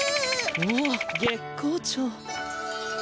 おお月光町。